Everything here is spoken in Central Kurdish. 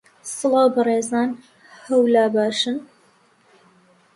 سڵاو بەڕێزان، هەوو لا باشن